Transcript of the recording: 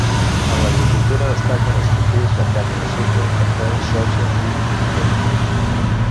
En l'agricultura destaquen els cultius de canya de sucre, cafè, soja, mill i cotó.